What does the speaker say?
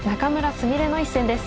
菫の一戦です。